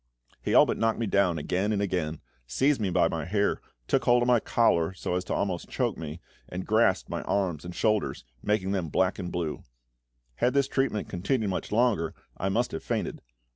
He all but knocked me down again and again, seized me by the hair, took hold of my collar so as to almost choke me, and grasped my arms and shoulders, making them black and blue. Had this treatment continued much longer, I must have fainted.